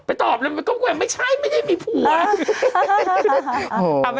ไปตอบเลยไม่ใช่ไม่ได้มีผัว